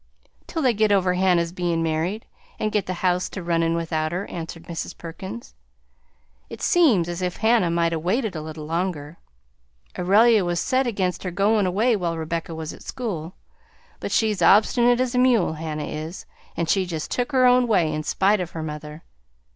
"Till they get over Hannah's bein' married, and get the house to runnin' without her," answered Mrs. Perkins. "It seems as if Hannah might 'a' waited a little longer. Aurelia was set against her goin' away while Rebecca was at school, but she's obstinate as a mule, Hannah is, and she just took her own way in spite of her mother.